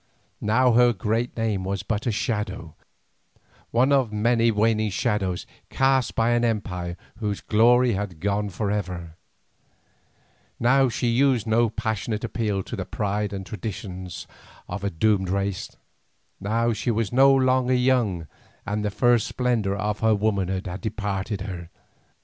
Now her great name was but a shadow, one of many waning shadows cast by an empire whose glory had gone for ever; now she used no passionate appeal to the pride and traditions of a doomed race, now she was no longer young and the first splendour of her womanhood had departed from her.